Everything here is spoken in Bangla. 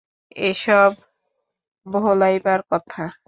এ-সব ভোলাইবার কথা।